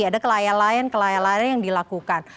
ada kelainan lain yang dilakukan